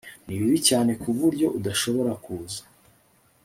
Ni bibi cyane kuburyo udashobora kuza